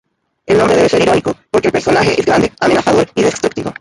El nombre debe ser irónico porque el personaje es grande, amenazador y destructivo.